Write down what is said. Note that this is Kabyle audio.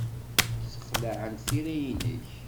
Ssexlaɛent tira-nnek.